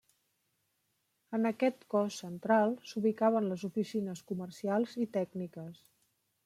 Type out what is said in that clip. En aquest cos central s'ubicaven les oficines comercials i tècniques.